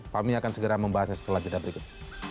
pak mi akan segera membahasnya setelah ajadat berikut